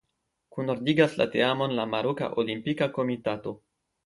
Kunordigas la teamon la Maroka Olimpika Komitato.